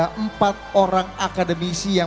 sehingga kami menghasilkan